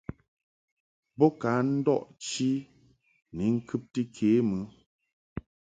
Bo ka ndɔʼ chi ni ŋkɨbti ke mɨ.